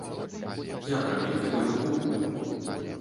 Я прабіў табе руку!